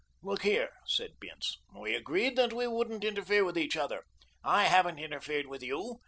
"Look here," said Bince, "we agreed that we wouldn't interfere with each other. I haven't interfered with you.